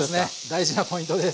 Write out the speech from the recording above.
大事なポイントです。